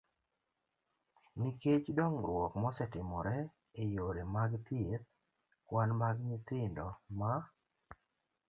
nikech dongruok mosetimore e yore mag thieth, kwan mag nyithindo ma